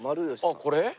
ああこれ？